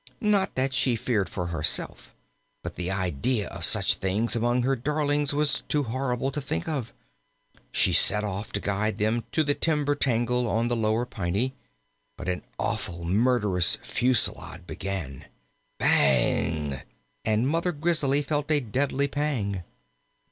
Not that she feared for herself; but the idea of such things among her darlings was too horrible to think of. She set off to guide them to the timber tangle on the Lower Piney. But an awful, murderous fusillade began. Bang! and Mother Grizzly felt a deadly pang.